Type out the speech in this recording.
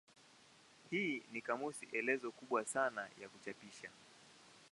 Hii ni kamusi elezo kubwa sana ya kuchapishwa.